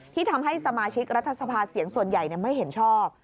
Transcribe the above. ที่ทำให้สมาชิกรัฐสภาเสียงส่วนใหญ่ไม่เห็นชอบ